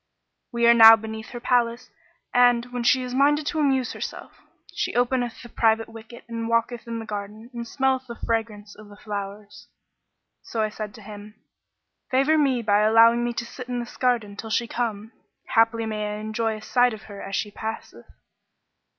We are now beneath her palace and, when she is minded to amuse herself, she openeth the private wicket and walketh in the garden and smelleth the fragrance of the flowers.' So I said to him, 'Favour me by allowing me to sit in this garden till she come; haply I may enjoy a sight of her as she passeth.'